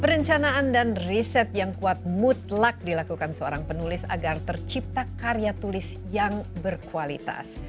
perencanaan dan riset yang kuat mutlak dilakukan seorang penulis agar tercipta karya tulis yang berkualitas